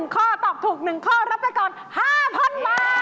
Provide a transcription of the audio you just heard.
ข้อตอบถูก๑ข้อรับไปก่อน๕๐๐๐บาท